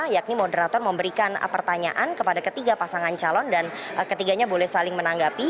yakni moderator memberikan pertanyaan kepada ketiga pasangan calon dan ketiganya boleh saling menanggapi